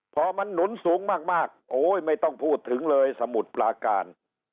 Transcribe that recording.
พอมันหนุนสูงมากโอ้ยไม่ต้องพูดถึงเลยสมุดปลาการ